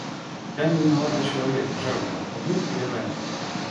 Я, невиноватый человек, жертва — убит или ранен.